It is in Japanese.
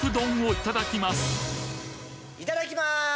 いただきます！